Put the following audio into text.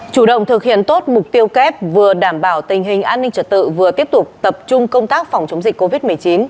chủ động thực hiện tốt mục tiêu kép vừa đảm bảo tình hình an ninh trật tự vừa tiếp tục tập trung công tác phòng chống dịch covid một mươi chín